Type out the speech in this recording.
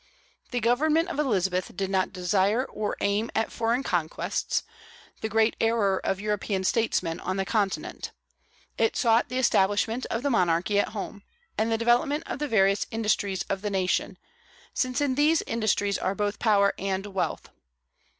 The government of Elizabeth did not desire or aim at foreign conquests, the great error of European statesmen on the Continent; it sought the establishment of the monarchy at home, and the development of the various industries of the nation, since in these industries are both power and wealth.